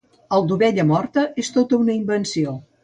El de l'ovella morta és tota una invenció.